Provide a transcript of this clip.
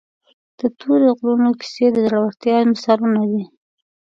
د تورې غرونو کیسې د زړورتیا مثالونه دي.